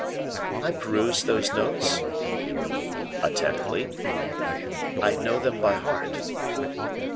"I perused those notes." "Attentively?" "I know them by heart."